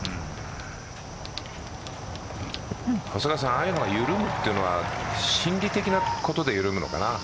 ああいうのは緩むというのは心理的なことで緩むのかな。